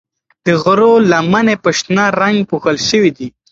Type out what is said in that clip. د غرو لمنې په شنه رنګ پوښل شوي دي.